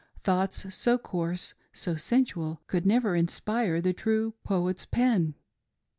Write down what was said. Thoughts so coarse, so sensual, could never in spire the true poet's pen.